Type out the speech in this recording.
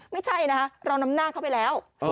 ไม่ใช่นะคะเรานำหน้าเข้าไปแล้ว